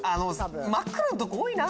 真っ黒のとこ多いな。